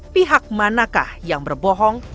pihak manakah yang berbohong